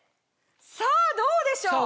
さぁどうでしょう？